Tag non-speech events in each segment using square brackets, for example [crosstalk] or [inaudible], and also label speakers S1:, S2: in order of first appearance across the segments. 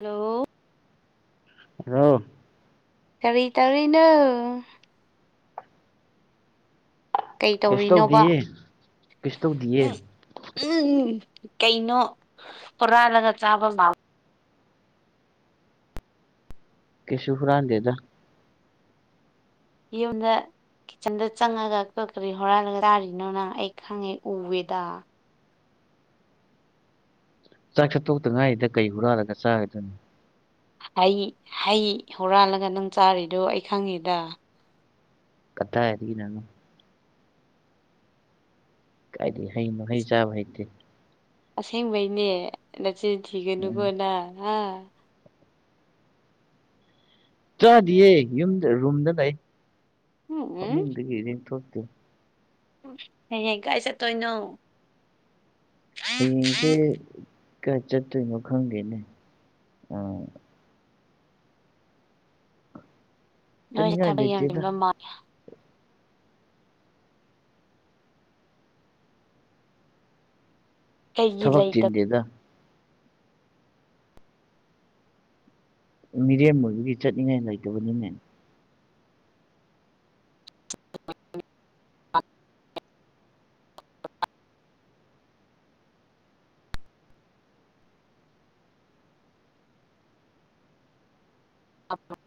S1: Hello
S2: hello
S1: ꯀꯔꯤ ꯇꯧꯔꯤꯅꯣ ꯀꯩ
S2: ꯀꯩꯁꯨ
S1: ꯇꯧꯔꯤꯅꯣꯕ
S2: ꯇꯧꯗꯤꯌꯦ ꯀꯩꯁꯨ ꯇꯧꯗꯤꯌꯦ
S1: ꯎꯝ ꯎꯝ ꯀꯩꯅꯣ ꯍꯨꯔꯥꯜꯂꯒ ꯆꯥꯕ
S2: ꯀꯩꯁꯨ ꯍꯔꯦꯗ
S1: ꯌꯨꯝꯗ ꯀꯤꯠꯆꯟꯗ ꯆꯪꯉꯒ ꯀꯔꯤ ꯀꯔꯤ ꯍꯨꯔꯥꯜꯂꯒ ꯇꯥꯔꯤꯅꯣ ꯅ ꯑꯩ ꯈꯪꯉꯦ ꯎꯋꯦꯗ
S2: ꯆꯥꯛ ꯆꯥꯠꯇꯣꯛꯇ ꯉꯥꯏꯔꯤꯗ ꯀꯩ ꯍꯨꯔꯥꯂꯒ ꯆꯥꯒꯗꯣꯏꯅꯤ
S1: ꯍꯩ ꯍꯩ ꯍꯨꯔꯥꯜꯂꯒ ꯅꯪ ꯆꯥꯔꯤꯗꯨꯣ ꯑꯩ ꯈꯪꯉꯦꯗ
S2: ꯀꯗꯥꯥ ꯍꯥꯏꯔꯤ ꯏꯅ ꯍꯥꯏꯗꯤ ꯍꯩ ꯃꯍꯩ ꯆꯥꯕ ꯍꯩꯇꯦ
S1: ꯑꯁꯦꯡꯕꯩꯅꯦ ꯅꯆꯤꯟ
S2: ꯎꯝ
S1: ꯊꯤꯒꯅꯨꯀꯣ ꯅ ꯍꯥ
S2: ꯆꯥꯗꯤꯌꯦ ꯌꯨꯝꯗ ꯔꯨꯝꯗ ꯂꯩ
S1: ꯎꯝ
S2: ꯐꯃꯨꯡꯗꯒꯤ ꯂꯊꯣꯛꯇꯦ
S1: ꯍꯦ ꯀꯥꯏ ꯆꯠꯇꯣꯏꯅꯣ
S2: ꯍꯌꯦꯡꯁꯦ ꯀꯌꯥ ꯆꯠꯇꯣꯏꯅꯣ ꯈꯪꯗꯦꯅꯦ
S1: ꯅꯣꯏꯁꯦ
S2: ꯆꯠꯅꯤꯡꯉꯥꯏ
S1: ꯊꯕꯛ
S2: ꯂꯩꯇꯦꯗ
S1: ꯌꯦꯡꯕꯤꯟꯕ ꯃꯥ ꯀꯩꯒꯤ
S2: ꯊꯕꯛ
S1: ꯂꯩꯇꯕ
S2: ꯆꯤꯟꯗꯦꯗ ꯃꯤꯔꯦꯝ ꯑꯣꯏꯕꯒꯤ ꯆꯠꯅꯤꯡꯉꯥꯏ ꯂꯩꯇꯕꯅꯤꯅꯦ
S1: ꯑꯥ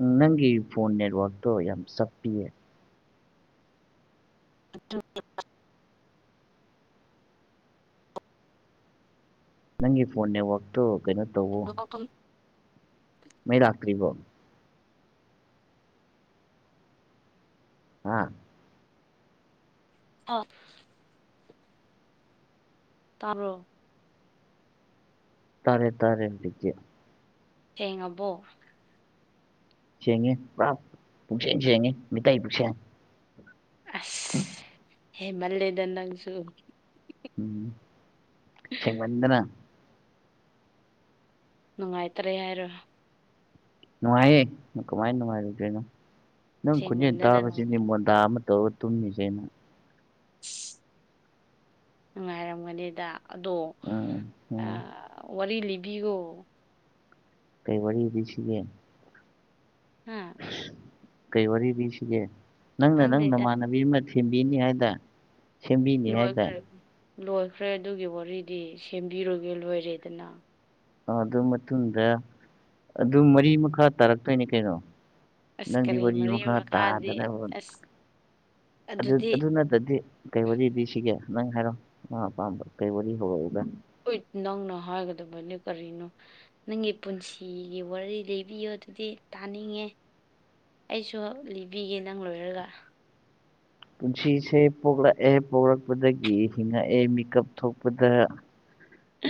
S2: ꯎꯝ ꯅꯪꯒꯤ ꯐꯣꯟ ꯅꯦꯠꯋꯔꯛ ꯇꯣ ꯌꯥꯝ ꯁꯞꯄꯤꯌꯦ
S1: ꯑꯗꯨ
S2: ꯅꯪꯒꯤ ꯐꯣꯟ ꯅꯦꯠꯋꯥꯛꯛꯇꯨ ꯀꯩꯅꯣ ꯇꯧꯕꯋ ꯃ ꯔꯥꯇ꯭ꯔꯤꯔꯤꯕꯣ ꯎꯝ
S1: ꯑꯣꯐ ꯇꯔꯣ
S2: ꯇꯥꯔꯦ ꯇꯥꯔꯦ ꯏꯗꯤꯀꯦ
S1: ꯁꯤꯦꯡꯉꯕꯣ
S2: ꯁꯦꯡꯉꯤ ꯄꯨꯔꯥ ꯄꯨꯛꯆꯦꯡ ꯁꯦꯡꯉꯤ ꯃꯤꯇꯩ ꯄꯨꯛꯁꯦꯡ
S1: ꯍꯦ ꯃꯜꯦꯗꯟ ꯅꯪꯁꯨ
S2: ꯎꯝ ꯆꯗꯅ
S1: ꯅꯨꯡꯉꯥꯏꯇꯔꯦ ꯍꯥꯏꯔꯣ
S2: ꯅꯨꯡꯉꯥꯏꯌꯦ ꯀꯃꯥꯏꯅ ꯅꯨꯡꯉꯥꯏꯔꯨꯗꯣꯏꯅꯣ ꯅꯪ ꯈꯨꯟꯖꯦꯜ
S1: ꯁꯦꯡꯃꯟꯗꯅ ꯅꯪ
S2: ꯇꯥꯕꯁꯤꯗꯤ ꯃꯣꯟꯗꯥ ꯑꯃ ꯇꯧꯣꯛꯇꯝ ꯖꯦꯃ
S1: ꯑꯁ ꯅꯨꯡꯉꯥꯏꯔꯝꯒꯅꯤꯗ ꯑꯗꯣ
S2: ꯎꯝ ꯎꯝ
S1: ꯋꯥꯔꯤ ꯂꯤꯕꯤꯌꯣ
S2: ꯀꯩ ꯋꯥꯔꯤ ꯋꯥꯔꯤ ꯏꯕꯤꯁꯤꯦ
S1: ꯍꯥꯝ
S2: ꯀꯩ ꯋꯥꯔꯤ ꯂꯤꯁꯤꯒꯦ ꯅꯪꯅ ꯅꯪ
S1: ꯈꯪꯗꯦꯗ
S2: ꯅꯃꯥꯟꯅꯕꯤ ꯑꯃ ꯊꯦꯝꯕꯤꯅꯤ ꯍꯥꯏꯗꯅ
S1: ꯂꯣꯏꯈ꯭ꯔꯦ ꯂꯣꯏꯈ꯭ꯔꯦ ꯑꯗꯨꯒꯤ ꯋꯥꯔꯤꯗꯤ ꯁꯦꯝꯕꯤꯔꯨꯒꯦ ꯂꯣꯏꯔꯦꯗꯅ
S2: ꯑꯗꯨ ꯃꯇꯨꯡꯗ ꯑꯗꯨ ꯃꯔꯤ ꯃꯈꯥ ꯇꯥꯔꯛꯇꯣꯏꯅꯤ ꯀꯩꯅꯣ
S1: ꯑꯁ
S2: ꯅꯪꯗꯤ
S1: ꯀꯔꯤ
S2: ꯋꯥꯔꯤ
S1: ꯃꯔꯤ
S2: ꯃꯈꯥ
S1: ꯃꯈꯥꯗꯤ
S2: ꯇꯥꯗꯅꯕ
S1: ꯑꯁ
S2: ꯑꯗꯨ
S1: ꯑꯗꯨꯗꯤ
S2: ꯑꯗꯨꯗꯗꯤ ꯀꯩ ꯋꯥꯔꯤꯗꯤ ꯁꯤꯒꯦ ꯅꯪ ꯍꯥꯏꯔꯣ ꯃꯥ ꯑꯄꯥꯝꯕ ꯀꯩ ꯋꯥꯔꯤ ꯍꯧꯔꯛꯎꯒ
S1: ꯍꯣꯏ ꯅꯪꯅ ꯍꯥꯏꯒꯗꯕꯅꯤ ꯀꯔꯤꯅꯣ ꯅꯪꯒꯤ ꯄꯨꯟꯁꯤꯒꯤ ꯋꯥꯔꯤ ꯂꯤꯕꯤꯌꯣ ꯑꯗꯨꯗꯤ ꯇꯥꯅꯤꯡꯉꯦ ꯑꯩꯁꯨ ꯂꯤꯕꯤꯒꯦ ꯅꯪ ꯂꯣꯏꯔꯒ
S2: ꯄꯨꯟꯁꯤꯁꯦ ꯄꯣꯛꯂꯛꯑꯦ ꯄꯣꯛꯔꯛꯄꯗꯒꯤ ꯍꯤꯡꯉꯛꯑꯦ ꯃꯦꯀꯞ ꯊꯣꯛꯄꯗ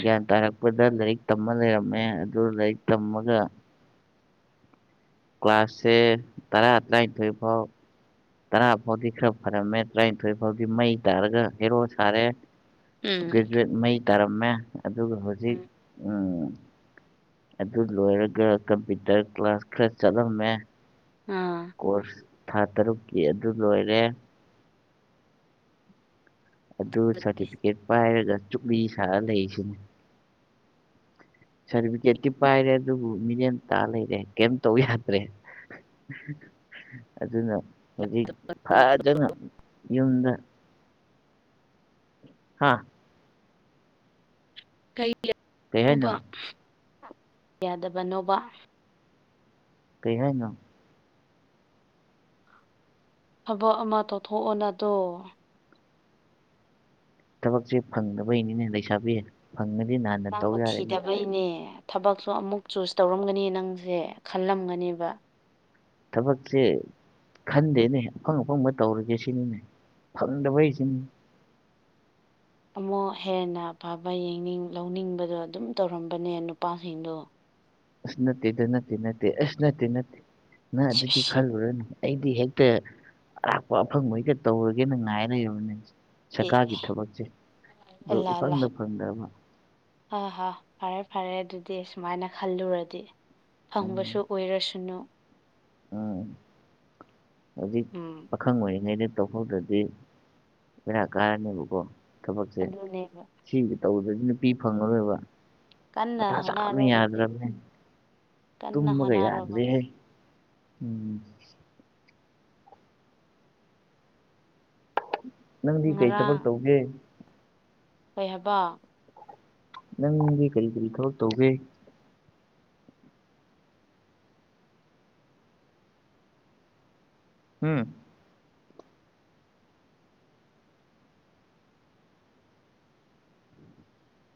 S2: ꯒ꯭ꯌꯥꯟ ꯇꯥꯔꯛꯄꯗ ꯂꯥꯏꯔꯤꯛ ꯇꯝꯃ ꯂꯩꯔꯝꯃꯦ ꯑꯗꯨ ꯂꯥꯏꯔꯤꯛ ꯇꯝꯃꯒ꯫ ꯀ꯭ꯂꯥꯁꯁꯦ ꯇꯔꯥ ꯇꯔ꯭ꯥꯢꯟꯊꯣꯢ ꯐꯥꯎ ꯇꯔꯥ ꯐꯥꯎꯗꯤ ꯈꯔ ꯐꯔꯝꯃꯦ ꯇꯔꯥꯅꯤꯊꯣꯏ ꯐꯥꯎꯗꯤ ꯃꯩ ꯇꯥꯔꯒ ꯍꯦꯔꯣ ꯁꯥꯔꯦ꯫
S1: ꯎꯝ
S2: ꯒ꯭ꯔꯦꯖꯨꯋꯦꯠ ꯃꯩ ꯇꯥꯔꯝꯃꯦ ꯑꯗꯨꯒ ꯍꯧꯖꯤꯛ
S1: ꯎꯝ
S2: ꯎꯝ꯫ ꯑꯗꯨ ꯂꯣꯏꯔꯒ ꯀꯝꯄ꯭ꯌꯨꯇꯔ ꯀ꯭ꯂꯥꯁ ꯈꯔ ꯆꯠꯂꯝꯃꯦ꯫
S1: ꯑꯥ꯫
S2: ꯀꯣꯔꯁ ꯊꯥ ꯇꯔꯨꯛꯀꯤ ꯑꯗꯨ ꯂꯣꯏꯔꯦ꯫ ꯑꯗꯨ ꯁꯥꯔꯇꯤꯐꯤꯀꯦꯠ ꯄꯥꯏꯔꯒ ꯆꯨꯞꯂꯤ ꯁꯥꯔ ꯂꯩꯔꯤꯁꯤꯅꯤ꯫ ꯁꯥꯔꯇꯤꯐꯤꯀꯦꯠꯇꯤ ꯄꯥꯏꯔꯦ ꯑꯗꯨꯕꯨ ꯃꯤꯔꯦꯟꯇꯥ ꯂꯩꯔꯦ ꯀꯩꯝ ꯇꯧ ꯌꯥꯗ꯭ꯔꯦ ꯑꯗꯨꯅ ꯍꯧꯖꯤꯛ ꯐꯖꯅ ꯌꯨꯝꯗ ꯍꯥꯥ ꯀꯩ ꯍꯥꯏꯅꯣ
S1: ꯀꯩꯅꯣꯕ ꯌꯥꯗꯕꯅꯣꯕ
S2: ꯀꯩ ꯍꯥꯏꯥꯏꯅ
S1: ꯊꯕꯛ ꯑꯃ ꯇꯧꯊꯣꯛꯑꯣꯅꯗꯣ
S2: ꯊꯕꯛꯁꯦ ꯐꯪꯗꯕꯩꯅꯤꯅꯦ ꯂꯩꯁꯥꯕꯤ ꯐꯪꯗꯤ ꯅ
S1: ꯅꯪꯕ ꯊꯤꯗꯥꯕꯩ ꯏꯅꯦ ꯊꯕꯛꯁꯨ ꯑꯃꯨꯛ ꯆꯨꯁ ꯇꯧꯔꯝꯒꯅꯤ ꯅꯪꯁꯦ ꯈꯜꯂꯝꯒꯅꯦꯕ
S2: ꯊꯕꯛꯁꯤ ꯈꯟꯗꯦꯅꯦ ꯑꯐꯪ ꯑꯐꯪꯕ ꯇꯧꯔꯒꯦ ꯁꯤꯅꯤꯅꯦ ꯐꯪꯗꯕꯩꯁꯤꯅꯤꯅꯦ
S1: ꯑꯃꯨꯛ ꯍꯦꯟꯅ ꯐꯕ ꯌꯦꯡꯅꯤꯡ ꯂꯧꯅꯤꯡꯕꯗꯣ ꯑꯗꯨꯝ ꯇꯧꯔꯝꯕꯅꯦ ꯅꯨꯄꯥꯁꯤꯡꯗꯣ꯫
S2: ꯑꯁ ꯅꯠꯇꯦꯗ ꯅꯠꯇꯦ ꯅꯠꯇꯦ ꯑꯁ ꯅꯠꯇꯦ ꯅꯠꯇꯦ ꯅ ꯑꯗꯨꯗꯤ
S1: ꯁꯤꯁ
S2: ꯈꯜꯂꯨ ꯔꯅꯨ ꯑꯩꯗꯤ ꯍꯦꯛꯇ ꯑꯔꯥꯛꯄ ꯑꯐꯪꯕ ꯍꯦꯛꯇ ꯇꯧꯔꯒꯦꯅ ꯉꯥꯏ ꯂꯩꯔꯕꯅꯦ꯫
S1: ꯑꯦ
S2: ꯁꯔꯀꯥꯔꯒꯤ ꯊꯕꯛꯁꯦ ꯑꯗꯨ
S1: ꯑꯜꯂꯥ ꯑꯜꯂꯥ
S2: ꯏꯐꯪꯗ ꯐꯪꯗꯕ꯫
S1: ꯍꯥ ꯍꯥ ꯐꯔꯦ ꯐꯔꯦ ꯑꯗꯨꯗꯤ ꯁꯨꯃꯥꯏꯅ ꯈꯜꯂꯨꯔꯗꯤ ꯐꯪꯕꯁꯨ
S2: ꯎꯝ
S1: ꯑꯣꯏꯔꯁꯅꯨ꯫
S2: ꯎꯝ ꯍꯧꯖꯤꯛ
S1: ꯎꯝ
S2: ꯄꯥꯈꯪ ꯑꯣꯏꯔꯤꯉꯩꯗ ꯇꯧꯍꯧꯗ꯭ꯔꯗꯤ ꯕꯦꯔꯥ ꯀꯥꯔꯅꯦꯕꯀꯣ꯫ ꯊꯕꯛꯁꯦ
S1: ꯑꯗꯨꯅꯦꯕ
S2: ꯁꯤꯒꯤ ꯇꯧꯕꯗꯗꯤ ꯅꯨꯄꯤ ꯐꯪꯉꯔꯣꯏꯕ꯫
S1: ꯀꯟꯅ
S2: ꯃꯊꯥ ꯁꯥꯕꯅ
S1: ꯍꯣꯠꯅꯔꯣ ꯑꯗꯨꯗꯤ
S2: ꯌꯥꯗ꯭ꯔꯝꯅꯦ꯫
S1: ꯀꯟꯅ
S2: ꯇꯨꯝꯃꯒ
S1: ꯍꯣꯠꯅꯔꯣꯕ
S2: ꯌꯥꯗ꯭ꯔꯦ ꯍꯦ ꯎꯝ ꯅꯪꯗꯤ ꯀꯩ ꯊꯕꯛ
S1: ꯉꯔꯥꯡ
S2: ꯇꯧꯒꯦ꯫
S1: ꯀꯩ ꯍꯏꯕ꯫
S2: ꯅꯪꯗꯤ ꯀꯔꯤ ꯀꯔꯤ ꯊꯕꯛ ꯇꯧꯒꯦ꯫ ꯍꯨꯝ꯫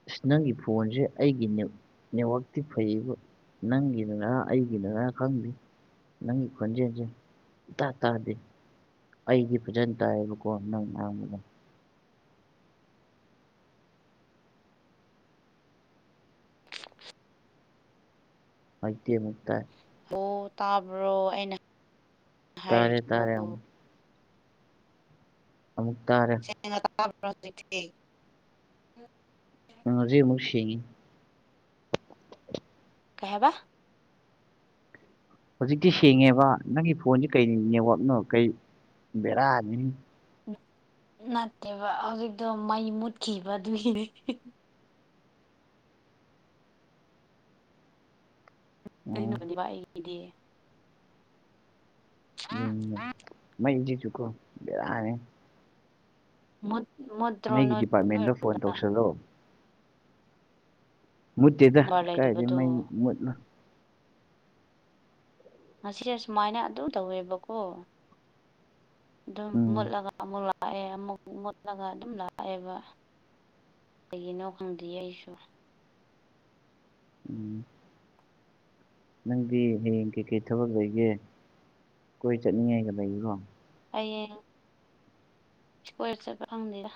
S2: ꯑꯁ ꯅꯪꯒꯤ ꯐꯣꯟꯖꯦ ꯑꯩꯒꯤ ꯅꯦꯠ ꯅꯦꯠꯋꯥꯛꯇꯤ ꯐꯩꯌꯦꯕ ꯅꯪꯒꯤꯗꯅ ꯑꯩꯒꯤꯗꯅ ꯈꯪꯗꯦ ꯅꯪꯒꯤ ꯈꯣꯟꯖꯦꯜꯁꯦ꯫ ꯏꯇꯥ ꯇꯥꯗꯦ ꯑꯩꯗꯤ ꯐꯖꯅ ꯇꯥꯏꯑꯌꯦꯕꯀꯣ ꯅꯪ ꯉꯥꯡꯕꯗ꯫ ꯃꯥꯏꯇꯦ ꯃꯨꯛꯇ꯫
S1: ꯑꯣ ꯇꯥꯕ꯭ꯔꯣ ꯑꯩꯅ
S2: ꯇꯥꯔꯦ
S1: ꯍꯥꯏꯔꯤꯗꯣ
S2: ꯇꯥꯔꯦ꯫ ꯑꯃꯨꯛ ꯇꯥꯔꯦ꯫
S1: [unintelligible]
S2: ꯉꯖꯤ ꯑꯃꯨꯛ ꯁꯦꯡꯉꯤ꯫
S1: ꯀꯩ ꯍꯥꯢꯕ꯫
S2: ꯍꯧꯖꯤꯛꯇꯤ ꯁꯦꯡꯉꯦꯕ ꯅꯪꯒꯤ ꯐꯣꯟꯖꯤ ꯀꯩ ꯅꯦꯠꯋꯥꯛꯅꯣ ꯀꯩ ꯕꯦꯔꯥꯅꯤ
S1: ꯅꯠꯇꯦꯕ ꯍꯧꯖꯤꯛꯇꯣ ꯃꯩ ꯃꯨꯠꯈꯤꯕꯗꯨꯒꯤꯅꯦ ꯍꯦ ꯍꯦ
S2: ꯑꯣ
S1: [unintelligible] ꯑꯩꯒꯤꯗꯤ꯫
S2: ꯎꯝ ꯃꯩꯗꯤꯖꯨꯀꯣ ꯕꯦꯔꯥꯅꯦ꯫
S1: [unintelligible] ꯃꯨꯗ꯭ꯔꯣ
S2: ꯃꯩꯒꯤ ꯗꯤꯄꯥꯔꯠꯃꯦꯟꯗ ꯐꯣꯟ
S1: [unintelligible]
S2: ꯇꯧꯁꯜꯂꯣ ꯃꯨꯠꯇꯦꯗ
S1: ꯅꯦꯠꯋꯥꯛ
S2: ꯀꯥꯏꯗꯩ
S1: ꯂꯩꯇꯕꯗꯣ
S2: ꯃꯩ ꯃꯨꯠꯅꯣ꯫
S1: ꯉꯁꯤꯁꯦ ꯁꯨꯃꯥꯏꯅ ꯑꯗꯨ ꯇꯧꯋꯦꯕꯀꯣ ꯑꯗꯨꯝ
S2: ꯎꯝ
S1: ꯃꯨꯠꯂꯒ ꯑꯃꯨꯛ ꯂꯥꯛꯑꯦ ꯑꯃꯨꯛ ꯃꯨꯠꯂꯒ ꯑꯗꯨꯝ ꯂꯥꯛꯑꯦꯕ ꯀꯩꯒꯤꯅꯣ ꯈꯪꯗ꯭ꯦ ꯑꯩꯁꯨ
S2: ꯎꯝ ꯅꯪꯗꯤ ꯍꯌꯦꯡ ꯀꯩꯀꯩ ꯊꯕꯛ ꯂꯩꯒꯦ ꯀꯣꯏ ꯆꯠꯅꯤꯡꯉꯥꯏꯒ ꯂꯩꯕꯔꫭ
S1: ꯍꯥꯌꯦꯡ ꯏꯁꯀ꯭ꯋꯥꯔ ꯆꯠꯄ ꯐꯪꯗꯦꯔ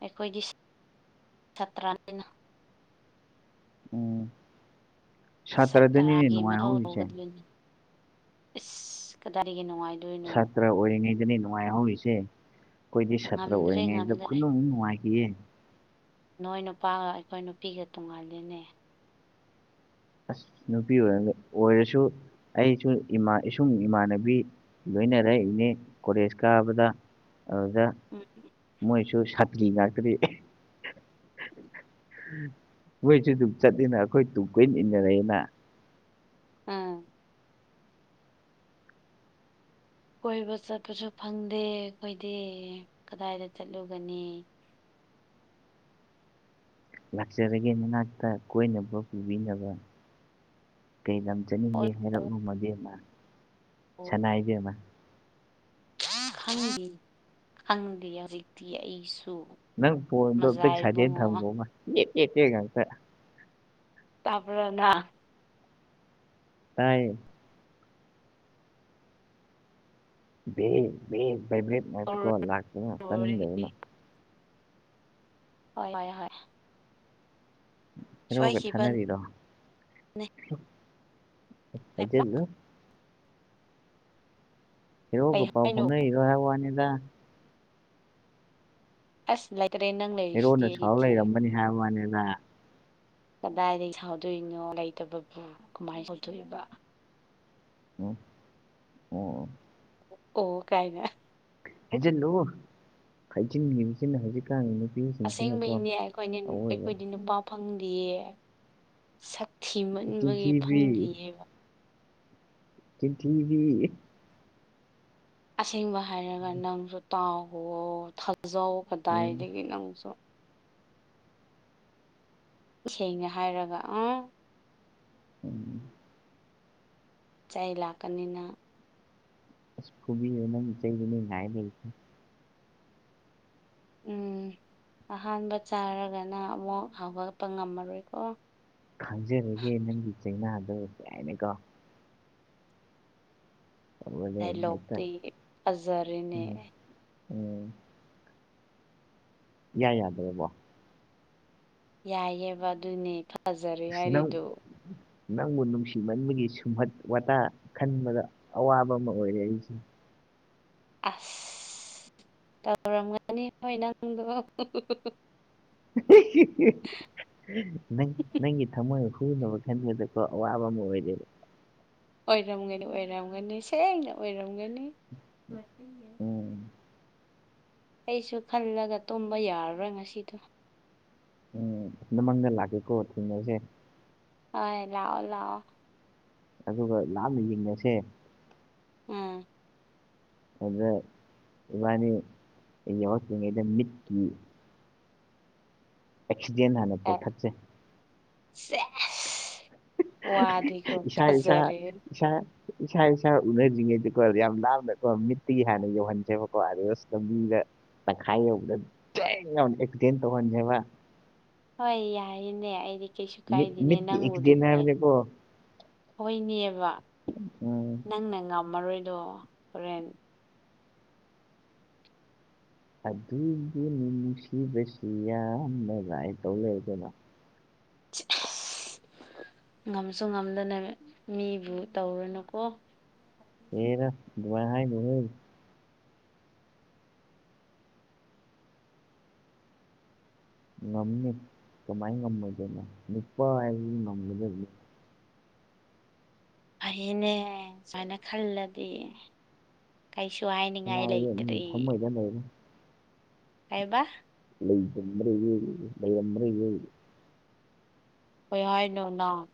S1: ꯑꯩꯈꯣꯏꯒꯤ ꯁꯥꯇ꯭ꯔꯅꯤꯅ
S2: ꯎꯝ ꯁꯥꯇ꯭ꯔꯗꯨꯅꯤꯅꯦ
S1: ꯁꯥꯇ꯭ꯔꯒꯤ ꯃꯊꯧ
S2: ꯅꯨꯡꯉꯥꯏꯍꯧꯔꯤꯁꯦ
S1: ꯇꯧꯒꯗꯕꯅꯤ ꯏꯁ ꯀꯗꯥꯏꯒꯤ ꯅꯨꯡꯉꯥꯏ
S2: ꯁꯥꯇ꯭ꯔ ꯑꯣꯏꯔꯤꯉꯩꯗꯅꯦ ꯅꯨꯡꯉꯥꯏꯍꯧꯔꯤꯁꯦ꯫ ꯈꯣꯏꯗꯤ ꯁꯥꯇ꯭ꯔ
S1: ꯉꯝꯗ꯭ꯔꯦ
S2: ꯑꯣꯏꯔꯤꯉꯩꯗ
S1: ꯉꯝꯗ꯭ꯔꯦ
S2: ꯈꯨꯅꯨꯡ ꯅꯨꯡꯉꯥꯏꯒꯤꯌꯦ꯫
S1: ꯅꯣꯏ ꯅꯨꯄꯥꯒ ꯑꯩꯈꯣꯏ ꯅꯨꯄꯤꯒ ꯇꯣꯡꯉꯥꯜꯂꯤꯅꯦ꯫
S2: ꯑꯁ ꯅꯨꯄꯤ ꯑꯣꯢꯔ ꯑꯣꯏꯔꯁꯨ ꯑꯩꯁꯨ ꯏꯃꯥ ꯏꯁꯨꯡ ꯏꯃꯥꯟꯅꯕꯤ ꯂꯣꯏꯅꯔꯛꯏꯅꯦ ꯀꯣꯂꯦꯖ ꯀꯥꯕꯗ꯫ ꯑꯗꯨꯗ ꯃꯣꯏꯁꯨ ꯁꯥꯇ꯭ꯔꯤ ꯉꯥꯛꯇꯗꯤ ꯃꯣꯏꯁꯨ ꯑꯗꯨꯝ ꯆꯠꯂꯤꯅ ꯑꯩꯈꯣꯏ ꯇꯨꯡ ꯀꯣꯢꯏꯟ ꯏꯟꯅꯔꯛꯏꯅ꯫
S1: ꯑꯥ꯫ ꯀꯣꯏꯕ ꯆꯠꯄꯁꯨ ꯐꯪꯗꯦ ꯑꯈꯣꯏꯗꯤ ꯀꯗꯥꯏꯗ ꯆꯠꯂꯨꯒꯅꯤ꯫
S2: ꯂꯥꯛꯆꯔꯒꯦ ꯃꯅꯥꯛꯇ ꯀꯣꯏꯅꯕ ꯄꯨꯕꯤꯅꯕ ꯀꯩ ꯂꯝ ꯆꯠꯅꯤꯡꯒꯦ ꯍꯥꯏꯔꯛꯂꯨ ꯃꯕꯦꯝꯃ ꯁꯅꯥ ꯏꯕꯦ‌ꯝꯃ
S1: ꯈꯪꯗꯦ ꯈꯪꯗꯦ ꯍꯧꯖꯤꯛꯇꯤ ꯑꯩꯁꯨ
S2: ꯅꯪ ꯐꯟꯗꯣ ꯚꯥꯛꯁꯥꯏꯂꯦꯟ
S1: ꯃꯖꯥꯏꯕꯨꯡꯉꯣ
S2: ꯊꯝꯒꯣꯕ ꯉꯥꯛ ꯉꯥꯛ ꯉꯥꯛꯇ
S1: ꯇꯥꯄꯔꯅꯪ
S2: ꯇꯥꯏꯌꯦ ꯚꯥꯠ ꯚꯥꯠ ꯚꯥꯏꯚꯔꯦꯠ ꯃꯥꯏꯠꯀꯣꯜ ꯂꯥꯛꯇꯅ
S1: ꯍꯣꯏ
S2: ꯇꯥꯅꯤꯟꯗꯗꯅ
S1: ꯍꯣꯏ ꯍꯣꯏ ꯍꯣꯏ
S2: ꯍꯔꫭꯒ
S1: ꯁꯣꯏꯈꯤꯕꯅꯦ
S2: ꯊꯅꯔꯤꯔꯣ ꯍꯔꯣꯒ
S1: ꯀꯩ
S2: ꯄꯥꯎ
S1: ꯍꯥꯏꯅꯣ
S2: ꯐꯥꯎꯅꯔꯤꯔꫭ ꯍꯥꯏ ꯋꯥ ꯅꯤꯗ
S1: ꯑꯁ ꯂꯥꯏꯇꯔꯦ ꯅꯪ ꯂꯩꯔꯤ ꯁꯤꯗꯤ ꯑꯩꯒꯤꯗꯤ
S2: UNINTELLIGIBLE ꯍꯥꯏ ꯋꯥꯅꯤꯗ
S1: ꯀꯗꯥꯏꯗꯒꯤ ꯁꯥꯎꯗꯣꯏꯅꯣ ꯂꯩꯇꯕꯕꯨ ꯀꯃꯥꯏꯅ ꯇꯧꯗꯣꯏꯏꯕ
S2: ꯎ ꯑꯣ
S1: ꯑꯣ ꯀꯥꯏꯅꯦ
S2: ꯍꯖꯦꯟ ꯂꯨ UNINTELLIGIBLE ꯁꯤꯅ ꯍꯧꯖꯤꯛꯀꯥꯟꯒꯤ ꯅꯨꯄꯤꯁꯤꯡꯁꯤꯅꯀꯣ ꯑꯋꯣꯏꯕ
S1: ꯐꯪꯗꯌꯦ ꯁꯛ ꯊꯤ ꯃꯟꯕꯒꯤ
S2: ꯆꯤꯟꯊꯤꯕꯤ
S1: ꯐꯪꯗ꯭ꯌꯦꯕ
S2: ꯆꯤꯟꯊꯤꯕꯤ
S1: ꯑꯁꯦꯡꯕ ꯍꯥꯏꯔꯒ ꯅꯪꯁꯨ ꯇꯥꯎꯍꯣ ꯊꯥꯖꯧ
S2: ꯎꯝ
S1: ꯀꯗꯥꯏꯗꯒꯤ ꯅꯪꯁꯨ ꯏꯁꯦꯡꯅ ꯍꯥꯏꯔꯒ ꯑꯥ
S2: ꯎꯝ
S1: ꯆꯩ ꯂꯥꯛꯀꯅꯤ ꯅꯪ
S2: ꯑꯁ ꯐꯨꯕꯤꯑꫭ ꯅꯪꯅ ꯆꯩꯗꯨꯅꯤ ꯉꯥꯏ ꯂꯩꯔꯤꯁꯦ
S1: ꯎꯝ ꯑꯍꯥꯟꯕ ꯆꯥꯔꯒꯅ ꯑꯃꯨꯛ ꯍꯧꯒꯠꯄ ꯉꯝꯃꯔꯣꯏꯀꯣ
S2: ꯈꯪꯖꯔꯒꯦ ꯅꯪꯒꯤ ꯆꯩꯅꯥꯗꯣ ꯀꯥꯏꯅꯀꯣ ꯇꯧꯔꯒ ꯍꯦꯛꯇ
S1: ꯗꯥꯏꯂꯣꯛꯇ ꯑꯖꯔꯅꯦ
S2: ꯎꯝ ꯎꯝ ꯏꯌꯥ ꯌꯥꯗ꯭ꯔꯦꯕꯣ
S1: ꯌꯥꯏꯑꯦꯕ ꯑꯗꯨꯅꯦ ꯐꯖꯔꯦ
S2: ꯅꯪ
S1: ꯍꯥꯏꯔꯤꯗꯣ
S2: ꯅꯪꯕꯨ ꯅꯨꯡꯁꯤꯃꯟꯕꯒꯤ ꯁꯨꯝꯍꯠ ꯋꯥꯇꯥ ꯈꯟꯕꯗ ꯑꯋꯥꯕ ꯑꯃ ꯑꯣꯏꯔꯦ ꯑꯩꯁꯦ
S1: ꯑꯁ ꯗꯧꯔꯥꯃꯅꯤ ꯍ ꯅꯪꯗꯣ
S2: [unintelligible] ꯅꯪ
S1: ꯑꯣꯏꯔꯝꯒꯅꯤ
S2: ꯅꯪꯒꯤ ꯊꯃꯣꯏ ꯍꯨꯅꯕ ꯈꯟꯕꯗꯀꯣ ꯑꯋꯥꯕ ꯑꯃ ꯑꯣꯏꯔꯦ
S1: ꯑꯣꯏꯔꯝꯒꯅꯤ ꯑꯣꯏꯔꯝꯒꯅꯤ ꯁꯦꯡꯅ ꯑꯣꯏꯔꯝꯒꯅꯤ ꯑꯩꯁꯨ
S2: ꯎꯝ
S1: ꯑꯩꯁꯨ ꯈꯜꯂꯒ ꯇꯨꯝꯕ ꯌꯥꯔꯔꯣꯏ ꯉꯁꯤꯗꯣ
S2: ꯎꯝ ꯅꯃꯪꯗ ꯂꯥꯛꯀꯦꯀꯣ ꯊꯦꯡꯅꯁꯦ
S1: ꯍꯣꯏ ꯂꯥꯛꯑꯣ ꯂꯥꯛꯑꯣ
S2: ꯑꯗꯨꯒ ꯂꯥꯅ ꯌꯦꯡꯉꯁꯦ
S1: ꯎꯝ
S2: ꯑꯗ ꯏꯕꯥꯅꯤ UNINTELLIGIBLE ꯃꯠꯀꯤ ꯑꯦꯛꯁꯤꯗꯦꯟ ꯍꯥꯟꯅ ꯀꯧꯊꯠꯆꯩ
S1: ꯁꯦ ꯋꯥꯗꯤꯀꫭ ꯐꯖꯔꯦ
S2: ꯁ ꯏꯁꯥ ꯏꯁꯥ ꯎꯅꯗ꯭ꯔꯤꯉꯩꯗꯀꯣ ꯌꯥꯝ ꯂꯥꯞꯅꯀꯣ ꯃꯤꯠꯇꯒꯤ ꯍꯥꯟꯅ ꯌꯧꯍꯟꯖꯕꯀꯣ ꯑꯗꯨꯒ ꯂꯝꯕꯤꯗ ꯇꯪꯈꯥꯏ ꯌꯥꯎꯕꯗ ꯗꯦꯟ ꯌꯥꯎꯅ ꯑꯦꯛꯁꯤꯗꯦꯟ ꯇꯧꯍꯥꯡꯁꯦ
S1: ꯍꯣꯏ ꯌꯥꯏꯅꯦ ꯑꯩꯗꯤ ꯀꯩꯁꯨ
S2: ꯃꯤꯠ
S1: ꯀꯥꯏꯗꯦꯅꯦ
S2: ꯃꯤꯠꯀꯤ ꯑꯦꯛꯁꯤꯗꯦꯟ
S1: ꯅꯪꯕꯨꯗꯤꯅꯦ
S2: ꯍꯥꯏꯕꯅꯦꯀꯣ
S1: ꯍꯣꯏꯅꯦꯕ
S2: ꯎꯝ
S1: ꯅꯪꯅ ꯉꯝꯃꯔꯣꯏꯗꯣ ꯍꯣꯔꯦꯟ
S2: ꯑꯗꯨꯕꯨꯅꯦ ꯅꯨꯡꯁꯤꯕꯁꯤ ꯌꯥꯝꯅ ꯂꯥꯏ ꯇꯧꯂꯩꯔꯖ꯭ꯠꯂꫭ
S1: ꯉꯝꯁꯨ ꯉꯝꯗꯅ ꯃꯤꯕꯨ ꯇꯧꯔꯨꯅꯨꯀꯣ
S2: ꯍꯦꯔꯥ ꯑꯗꯨꯃꯥꯏ ꯍꯥꯏꯅꯨ ꯍꯦ ꯉꯝꯅꯤ ꯀꯃꯥꯏꯅ ꯉꯝꯃꯣꯏꯗꯣꯏꯅꯣ ꯅꯨꯄꯥ ꯍꯥꯏꯁꯤ ꯉꯝꯒꯗꯕꯅꯤ
S1: ꯐꯩꯅꯦ ꯁꯨꯃꯥꯏꯅ ꯈꯜꯂꯗꯤ ꯀꯩꯁꯨꯨ ꯍꯥꯏꯅꯤꯡꯉꯥꯏ
S2: ꯀꯅꯥꯒꯤ ꯅꯪꯒꯤ
S1: ꯂꯩꯇ꯭ꯔꯦ
S2: [unintelligible]
S1: ꯀꯩꯕ
S2: ꯂꯩꯔꯤ ꯂꯩꯔꯝꯗꯔꯗꯤ ꯑꯣꯏ
S1: ꯀꯩ ꯍꯥꯏꯅꯣ ꯅꯪ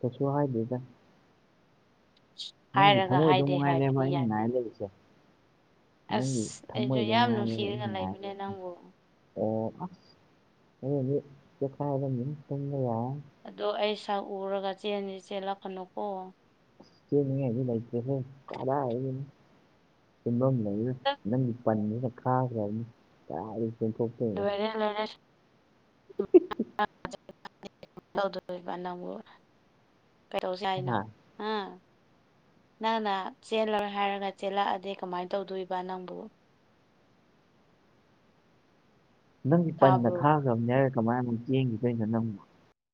S2: ꯀꯩꯁꯨ ꯍꯥꯏꯗꯦꯗ ꯅꯪꯒꯤ
S1: ꯍꯥꯏꯔꯒ
S2: ꯊꯃꯣꯏꯗꯣ
S1: ꯍꯥꯏꯗꯦ
S2: ꯃꯉꯥꯏꯔꯦꯕ
S1: ꯍꯥꯏꯕꯗꯤ
S2: ꯑꯩꯅ ꯉꯥꯏ
S1: ꯌꯥꯗꯦ
S2: ꯂꯩꯔꯤꯁꯦ ꯅꯪꯒꯤ
S1: ꯑꯁ ꯑꯩꯁꯨ
S2: ꯊꯃꯣꯏꯗꯣ
S1: ꯌꯥꯝ
S2: ꯃꯉꯥꯏꯔꯦꯕ
S1: ꯅꯨꯡꯁꯤꯔ
S2: ꯑꯩꯅ ꯉꯥꯏ
S1: ꯂꯩꯕꯅꯦ
S2: ꯂꯩꯔꯤꯁꯦ
S1: ꯅꯪꯕꯨ
S2: ꯑꯣ ꯑꯁ ꯑꯗꯨꯗꯤ ꯄꯣꯈꯥꯏꯔꯅꯤ ꯇꯨꯝꯕ ꯌꯥꯔꯔꯣꯏ
S1: ꯑꯗꯣ ꯑꯩ ꯁꯛꯎꯔꯒ ꯆꯦꯟꯁꯤ ꯆꯦꯜꯂꯛꯀꯅꯨꯀꯣ
S2: ꯆꯦꯜꯅꯤꯉꯥꯏ ꯂꯩꯇꯦꯍꯦ ꯀꯗꯥꯏꯗꯩꯅꯣ ꯇꯨꯝꯐꯝ ꯂꯩꯔꯣꯏ ꯄꯟꯗꯨꯅ ꯈꯥꯈ꯭ꯔꯅꯤ ꯌꯥꯔꯣꯏ
S1: ꯂꯣꯏꯔꯦ ꯂꯣꯏꯔꯦ
S2: [unintelligible]
S1: ꯅꯪꯕꯨ ꯀꯩ ꯗꯧꯁꯤ ꯍꯥꯏꯅꯣ
S2: ꯍꯥ
S1: ꯅꯪꯅ ꯆꯦꯜꯂꯔꯣꯏ ꯍꯥꯏꯔꯒ ꯆꯦꯜꯂꯛꯑꯗꯤ ꯀꯃꯥꯏꯅ ꯇꯧꯗꯣꯏꯕ ꯅꯪꯕꯨ
S2: ꯅꯪꯒꯤ ꯄꯟꯅ
S1: ꯇꯥꯕ꯭ꯔꯣ
S2: ꯈꯥꯈ꯭ꯔꯕꯅꯤ ꯍꯥꯏꯔ ꯀꯃꯥꯏꯅ ꯑꯃꯨꯛ ꯆꯦꯡꯈꯤꯗꯣꯏꯅꯣ ꯅꯪꯕꯨ